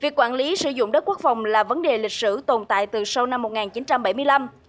việc quản lý sử dụng đất quốc phòng là vấn đề lịch sử tồn tại từ sau năm một nghìn chín trăm bảy mươi năm